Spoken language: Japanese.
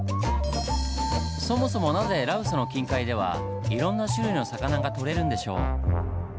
そもそもなぜ羅臼の近海ではいろんな種類の魚が取れるんでしょう？